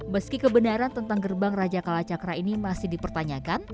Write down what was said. meski kebenaran tentang gerbang raja kalacakra ini masih dipertanyakan